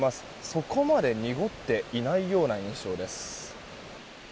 そこまで濁っていないような印象です。